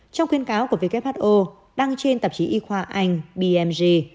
trong khuyên cáo của who đăng trên tạp chí y khoa anh bmg